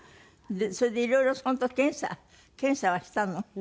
それでいろいろその時検査検査はしたの？